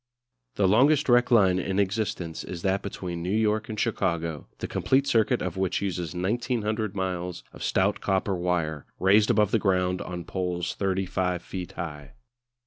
The longest direct line in existence is that between New York and Chicago, the complete circuit of which uses 1900 miles of stout copper wire, raised above the ground on poles 35 feet high.